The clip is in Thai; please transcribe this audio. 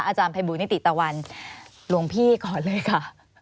อาจารย์ภัยบูลนิติตะวันหลวงพี่ก่อนเลยค่ะ